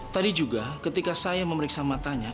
tadi juga ketika saya memeriksa matanya